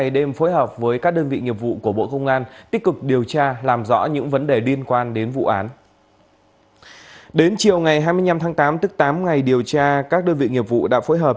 đến chiều ngày hai mươi năm tháng tám tức tám ngày điều tra các đơn vị nghiệp vụ đã phối hợp